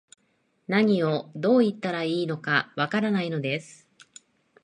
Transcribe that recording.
何を、どう言ったらいいのか、わからないのです